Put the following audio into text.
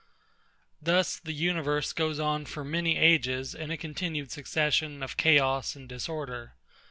Thus the universe goes on for many ages in a continued succession of chaos and disorder.